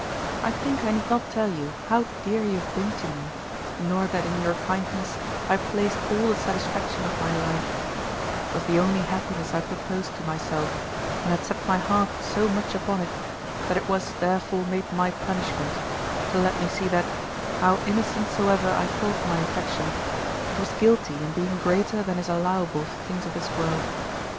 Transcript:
I think I need not tell you how dear you have been to me, nor that in your kindness I placed all the satisfaction of my life; 'twas the only happiness I proposed to myself, and had set my heart so much upon it that it was therefore made my punishment, to let me see that, how innocent soever I thought my affection, it was guilty in being greater than is allowable for things of this world.